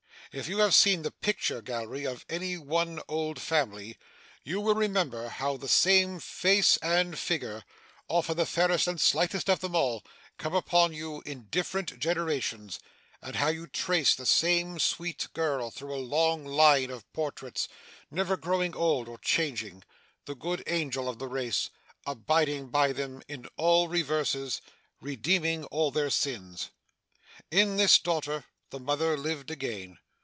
'If you have seen the picture gallery of any one old family, you will remember how the same face and figure often the fairest and slightest of them all come upon you in different generations; and how you trace the same sweet girl through a long line of portraits never growing old or changing the Good Angel of the race abiding by them in all reverses redeeming all their sins 'In this daughter the mother lived again.